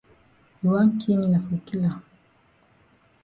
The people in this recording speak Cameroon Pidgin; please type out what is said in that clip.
You wan ki me na for kill am.